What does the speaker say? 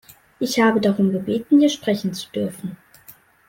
Ich habe darum gebeten, hier sprechen zu dürfen.